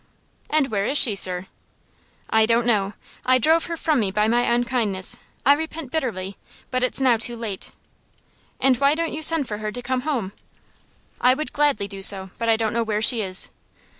"And where is she, sir?" "I don't know. I drove her from me by my unkindness. I repent bitterly, but it's now too late." "And why don't you send for her to come home?" "I would gladly do so, but I don't know where she is.